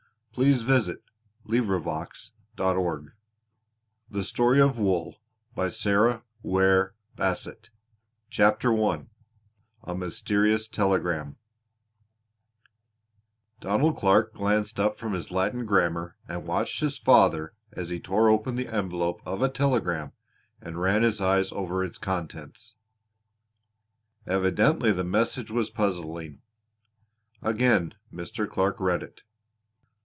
Donald Decides 204 THE STORY OF WOOL CHAPTER I A MYSTERIOUS TELEGRAM Donald Clark glanced up from his Latin grammar and watched his father as he tore open the envelope of a telegram and ran his eye over its contents. Evidently the message was puzzling. Again Mr. Clark read it.